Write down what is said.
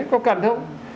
có cần không